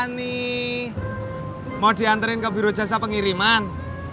ani mau diantarin ke birojasa pengiriman